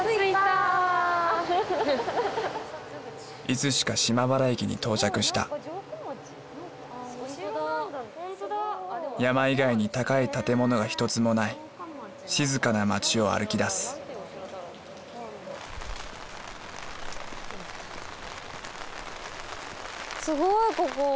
いつしか島原駅に到着した山以外に高い建物がひとつもない静かな街を歩き出すすごいここ。わ。